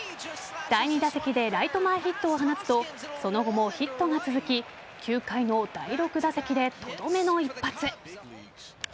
第２打席でライト前ヒットを放つとその後もヒットが続き９回の第６打席でとどめの一発。